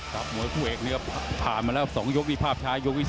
กับหมดผู้เอกเนี่ยก็ผ่านมาแล้ว๒ยกนี้ภาพช้ายยกที่๒